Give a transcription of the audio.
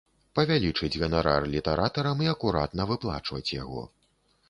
Павялічыць ганарар літаратарам і акуратна выплачваць яго.